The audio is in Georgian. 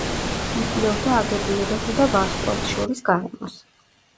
იკვლევდა აგებულებასა და ვარსკვლავთშორის გარემოს.